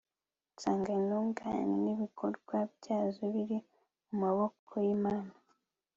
nsanga intungane'ibikorwa byazo biri mu maboko y'imana